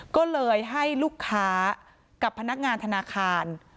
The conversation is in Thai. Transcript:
ก็เลยให้ลูกค้ากับพนักงานธนาคาร